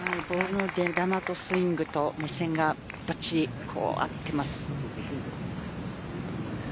ボールの出球とスイングとばっちり合っています。